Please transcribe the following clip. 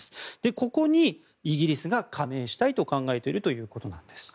ここにイギリスが加盟したいと考えているということです。